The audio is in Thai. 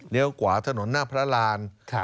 เลี้ยวขวาถนนหน้าพระราน